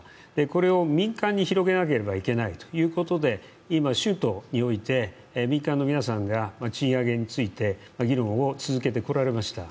これを民間に広げなければいけないということで今、民間の皆さんが賃上げについて議論を続けてこられました。